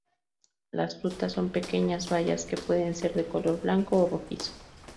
Las frutas son pequeñas bayas que pueden ser de color blanco o rojizo.